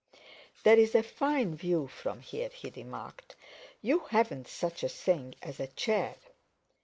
"There's a fine view from here," he remarked; "you haven't such a thing as a chair?"